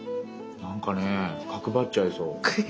なんかね角張っちゃいそう。